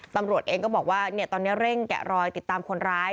ตำรวจเองก็บอกว่าตอนนี้เร่งแกะรอยติดตามคนร้าย